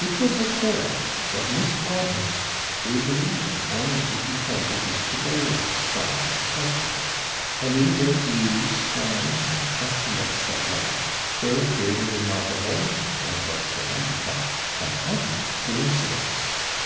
It was observed that Miss Broadhurst ably and warmly defended Mr. Berryl's side of the question; and in their views, plans, and estimates of life, there appeared a remarkable, and as Lord Colambre thought, a happy coincidence.